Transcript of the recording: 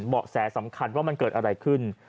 แสสำคัญว่ามันเกิดอะไรขึ้น